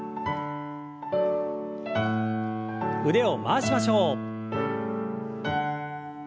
腕を回しましょう。